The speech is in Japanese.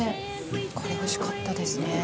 これおいしかったですね。